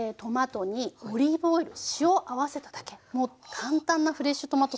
もう簡単なフレッシュトマトソースです。